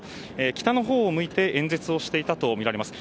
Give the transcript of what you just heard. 北のほうを向いて演説をしていたとみられます。